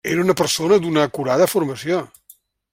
Era una persona d'una acurada formació.